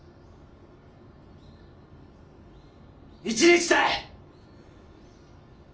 １日たい！